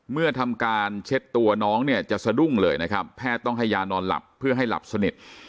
เมื่อทำการเช็ดตัวน้องเนี่ยจะสะดุ้งเลยนะครับแพทย์ต้องให้ยานอนหลับเพื่อให้หลับสนิท